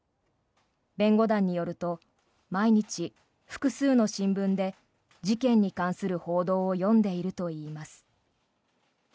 弁護団によると毎日、複数の新聞で事件に関する報道を読んでいるといいます。